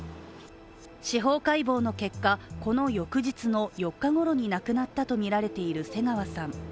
司法解剖の結果、この翌日の４日ごろに亡くなったとみられている瀬川さん。